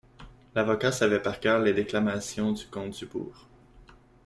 L'avocat savait par cœur les déclamations du comte Dubourg.